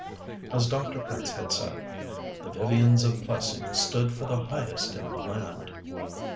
As Dr. Prince had said, "the Vivians of Plessing stood for the highest in the land."